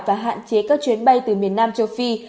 và hạn chế các chuyến bay từ miền nam châu phi